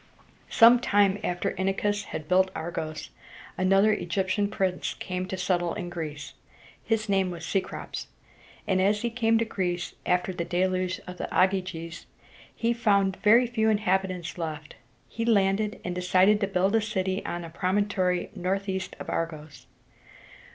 Some time after Inachus had built Argos, another Egyptian prince came to settle in Greece. His name was Ce´crops, and, as he came to Greece after the Deluge of Ogyges, he found very few inhabitants left. He landed, and decided to build a city on a promontory northeast of Argos.